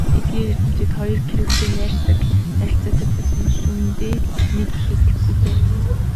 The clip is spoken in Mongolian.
Эдгээр эрдэмтэд хоёр Кюретэй найрсаг харилцаатай байсан боловч үнэндээ нэг л итгэхгүй байв.